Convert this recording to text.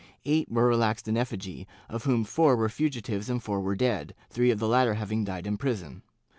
Eight were relaxed in effigy, of whom four were fugitives and four were dead — three of the latter having died in prison.